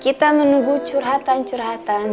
kita menunggu curhatan curhatan